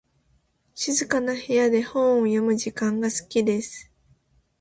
静かな部屋で本を読む時間が好きです。